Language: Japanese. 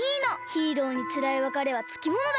ヒーローにつらいわかれはつきものだから。